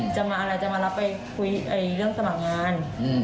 จะมาอะไรจะมารับไปคุยเรื่องสมัครงาน